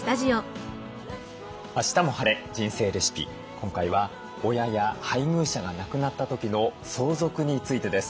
今回は親や配偶者が亡くなった時の相続についてです。